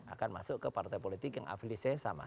akan masuk ke partai politik yang afiliasinya sama